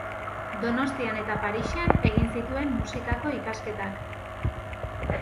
Donostian eta Parisen egin zituen musikako ikasketak.